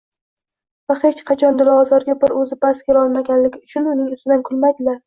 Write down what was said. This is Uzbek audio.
va hech qachon dilozorga bir o‘zi bas kela olmaganligi uchun uning ustidan kulmaydilar.